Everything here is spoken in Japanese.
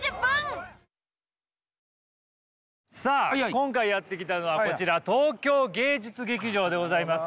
今回やって来たのはこちら東京芸術劇場でございます。